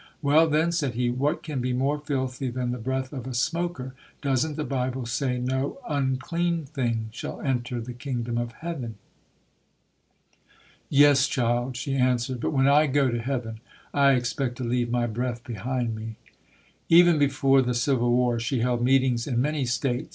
"Well, then", said he, "what can be more filthy than the breath of a smoker? Doesn't the Bible say no unclean thing shall enter the kingdom of heaven?" "Yes, child", she answered, "but when I go to heaven I expect to leave my breath behind me". Even before the Civil War, she held meetings in many states.